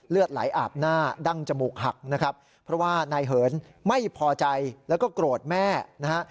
เลือดไหลอาบหน้าดั้งจมูกหักนะครับเพราะว่านายเหินไม่พอใจแล้วก็โกรธแม่นะฮะ